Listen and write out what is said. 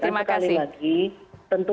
sampaikan sekali lagi tentu